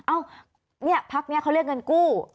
เอ้าเนี่ยพักนี้เขาเรียกเงินกู้